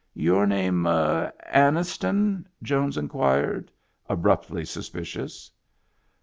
" Your name Anniston ?" Jones inquired, abruptly suspicious.